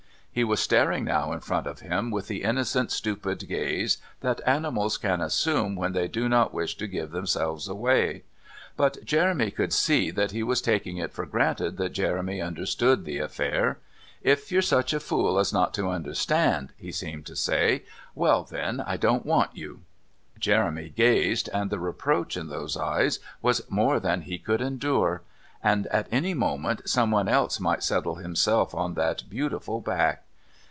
He was staring now in front of him with the innocent stupid gaze that animals can assume when they do not wish to give themselves away. But Jeremy could see that he was taking it for granted that Jeremy understood the affair. "If you're such a fool as not to understand," he seemed to say, "well, then, I don't want you." Jeremy gazed, and the reproach in those eyes was more than he could endure. And at any moment someone else might settle himself on that beautiful back!